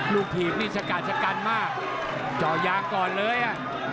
ลูกผีบนี่สกัดมากเจาะยางก่อนเลย